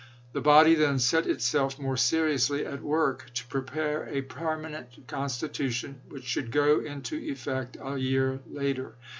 The body then set itself more seriously at work to prepare a permanent constitution which should go into effect a year later.